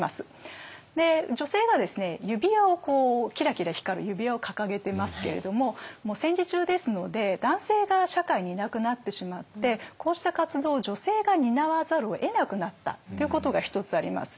女性がですね指輪をキラキラ光る指輪を掲げてますけれども戦時中ですので男性が社会にいなくなってしまってこうした活動を女性が担わざるをえなくなったということが一つあります。